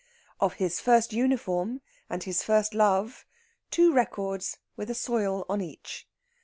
Of his first uniform and his first love, two records with a soil on each.